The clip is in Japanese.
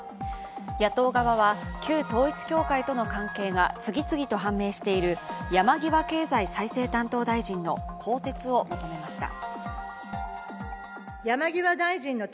野党側は旧統一教会との関係が次々と判明している山際経済再生担当大臣の更迭を求めました。